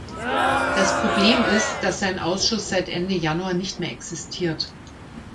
Das Problem ist, dass sein Ausschuss seit Ende Januar nicht mehr existiert.